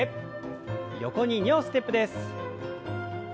横に２歩ステップです。